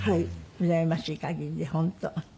うらやましい限りで本当。